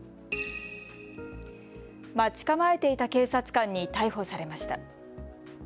待ち構えていた警察官に逮捕されました。